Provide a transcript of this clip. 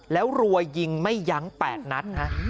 แล้วรวยยิงไม่ยั้งแปดนัด